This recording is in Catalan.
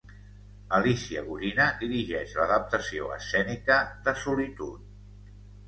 Alícia Gorina dirigeix l'adaptació escènica de 'Solitud'.